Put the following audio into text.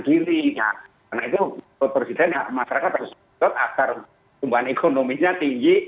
gini karena itu masyarakat harus agar tumbuhan ekonominya tinggi